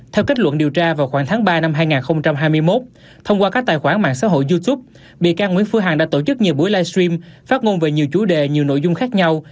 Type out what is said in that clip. theo kết luận điều tra vào khoảng tháng ba năm hai nghìn hai mươi một thông qua các tài khoản mạng xã hội youtube bị can nguyễn phương hằng đã tổ chức nhiều buổi livestream phát ngôn về nhiều chủ đề nhiều nội dung khác nhau